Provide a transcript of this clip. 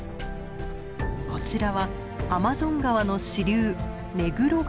こちらはアマゾン川の支流ネグロ川。